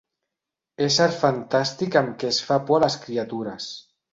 Ésser fantàstic amb què es fa por a les criatures.